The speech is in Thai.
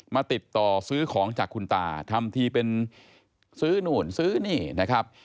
ติดต่อซื้อของจากคุณตาทำทีเป็นซื้อนู่นซื้อนี่นะครับ